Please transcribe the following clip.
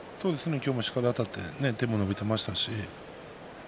今日もしっかりあたって手も伸びていました。